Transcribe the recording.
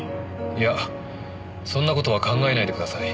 いやそんな事は考えないでください。